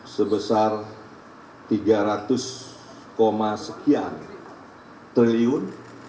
sebesar rp tiga ratus sekian triliun